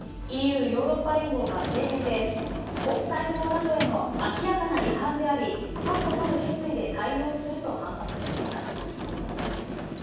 ＥＵヨーロッパ連合は、声明で国際法などへの明らかな違反であり確固たる決意で対応すると反発しています。